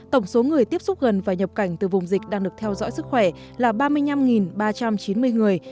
tổng số người tiếp xúc gần và nhập cảnh từ vùng dịch đang được theo dõi sức khỏe là ba mươi năm ba trăm chín mươi người